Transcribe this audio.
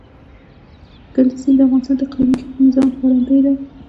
کندز سیند د افغانستان د اقلیمي نظام ښکارندوی ده.